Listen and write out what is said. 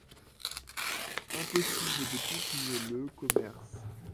Impossible de continuer le commerce.